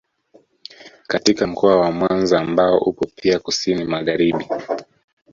Katika mkoa wa Mwanza ambao upo pia kusini magharibi